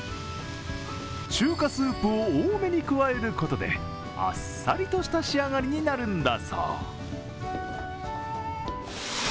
中華スープを多めに加えることであっさりとした仕上がりになるんだそう。